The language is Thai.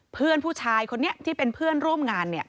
เพื่อนผู้ชายคนนี้ที่เป็นเพื่อนร่วมงาน